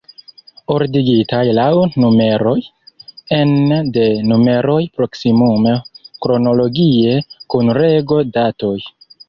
Ordigitaj laŭ numeroj; ene de numeroj proksimume kronologie; kun rego-datoj.